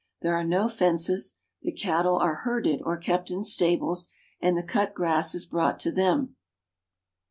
There are no fences, the cattle are herded or kept in stables, and the cut grass is brought to them.